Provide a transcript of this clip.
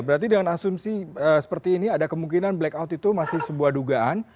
berarti dengan asumsi seperti ini ada kemungkinan blackout itu masih sebuah dugaan